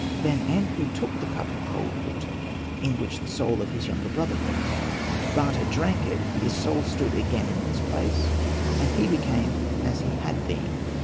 Then Anpu took the cup of cold water, in which the soul of his younger brother was ; Bata drank it, his soul stood again in its place, and he became as he had been.